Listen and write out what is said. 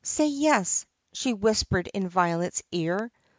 "Say yes," she whispered in Violet's ear.